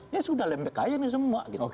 ya sudah lembek aja nih semua